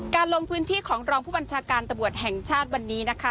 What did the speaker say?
ลงพื้นที่ของรองผู้บัญชาการตำรวจแห่งชาติวันนี้นะคะ